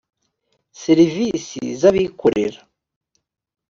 serivisi z’abikorera